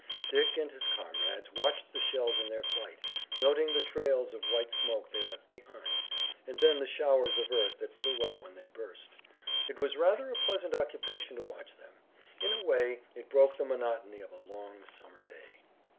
Dick and his comrades watched the shells in their flight, noting the trails of white smoke they left behind, and then the showers of earth that flew up when they burst. It was rather a pleasant occupation to watch them. In a way it broke the monotony of a long summer day.